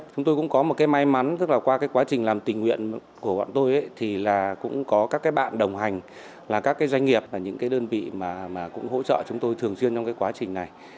chúng tôi cũng có một cái may mắn tức là qua cái quá trình làm tình nguyện của bọn tôi thì là cũng có các bạn đồng hành là các cái doanh nghiệp là những cái đơn vị mà cũng hỗ trợ chúng tôi thường xuyên trong cái quá trình này